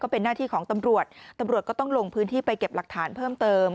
เป็นหน้าที่ของตำรวจตำรวจก็ต้องลงพื้นที่ไปเก็บหลักฐานเพิ่มเติม